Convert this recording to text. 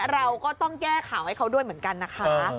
เราก็ต้องแก้ข่าวให้เขาด้วยเหมือนกันนะคะ